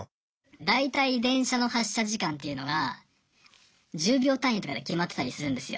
大体電車の発車時間っていうのが１０秒単位とかで決まってたりするんですよ。